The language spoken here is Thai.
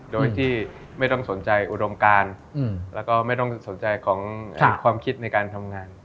โดยที่ไม่ต้องสนใจอุดมการแล้วก็ไม่ต้องสนใจของความคิดในการทำงาน